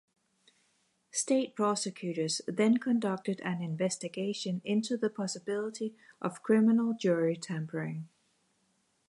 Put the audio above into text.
State prosecutors then conducted an investigation into the possibility of criminal jury tampering.